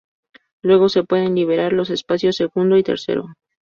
Luego se pueden liberan los espacios segundo y tercero.